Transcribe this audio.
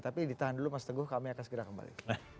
tapi ditahan dulu mas teguh kami akan segera kembali